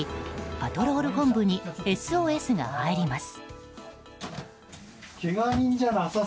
パトロール本部にＳＯＳが入ります。